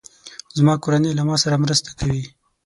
زما کورنۍ له ما سره مرسته کوي.